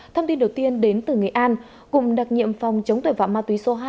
thông tin đầu tiên đến từ nghệ an cùng đặc nhiệm phòng chống tội phạm ma túy số hai